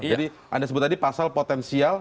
jadi anda sebut tadi pasal potensial